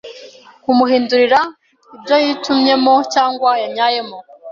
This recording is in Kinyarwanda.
kumuhindurira ibyo yitumyemo cyangwa yanyayemo,